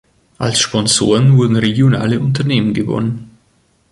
Als Sponsoren wurden regionale Unternehmen gewonnen.